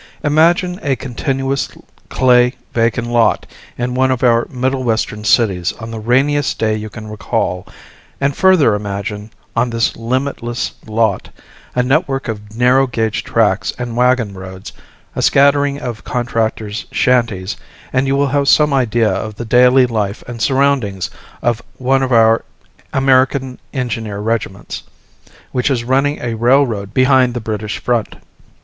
Imagine a continuous clay vacant lot in one of our Middle Western cities on the rainiest day you can recall; and further imagine, on this limitless lot, a network of narrow gauge tracks and wagon roads, a scattering of contractors' shanties, and you will have some idea of the daily life and surroundings of one of oar American engineer regiments, which is running a railroad behind the British front.